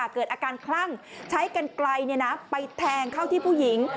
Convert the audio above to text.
เกิดอาการคลั่งใช้กันไกลไปแทงเข้าที่ผู้หญิง